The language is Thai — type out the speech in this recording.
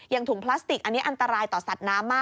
ถุงพลาสติกอันนี้อันตรายต่อสัตว์น้ำมาก